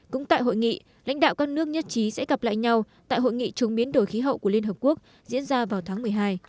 cũng tại hội nghị lãnh đạo các nước nhất trí sẽ gặp lại nhau tại hội nghị chống biến đổi khí hậu của liên hợp quốc diễn ra vào tháng một mươi hai